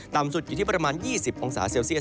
ต่ำสุดอยู่ที่ประมาณ๒๐องศาเซลเซียส